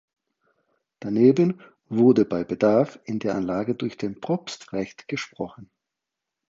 Daneben wurde bei Bedarf in der Anlage durch den Propst Recht gesprochen.